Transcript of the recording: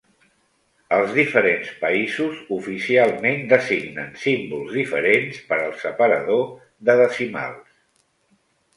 Els diferents països oficialment designen símbols diferents per al separador de decimals.